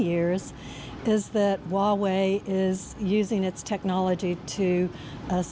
คือวาเวย์ใช้เทคโนโลยี